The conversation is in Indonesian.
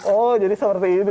oh jadi seperti ini